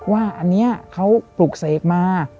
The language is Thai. ว่าอันนี้เขาปลูกเสกมา